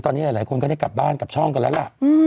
ตอนนี้หลายคนก็ได้กลับบ้านกลับช่องกันแล้วล่ะ